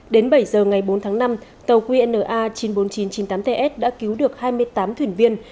đến bảy giờ ngày bốn tháng năm tàu qna chín mươi bốn nghìn chín trăm chín mươi tám ts đã cứu được hai mươi tám thuyền viên